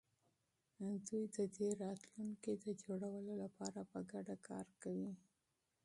دوی د دې راتلونکي د جوړولو لپاره په ګډه کار کوي.